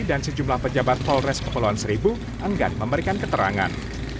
dan sejumlah pejabat polres kepulauan seribu enggan memberikan keterangan